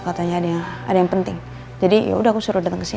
katanya ada yang penting jadi yaudah aku suruh datang ke sini